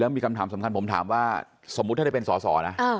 มีคำถามสำคัญผมถามว่าสมมุติถ้าได้เป็นสอสอนะ